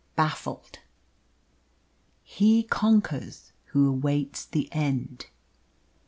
BAFFLED. He conquers who awaits the end.